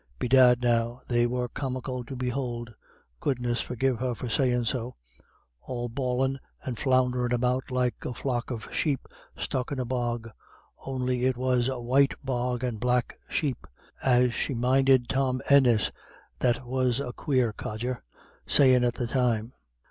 Bedad now, they were comical to behould, goodness forgive her for sayin' so, all bawlin' and flounderin' about like a flock of sheep stuck in a bog, on'y it was a white bog and black sheep, as she minded Tom Ennis, that was a quare codger, sayin' at the time."